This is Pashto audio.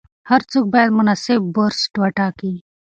هر څوک باید مناسب برس وټاکي.